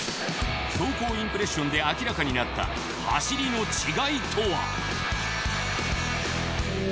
走行インプレッションで明らかになった違います？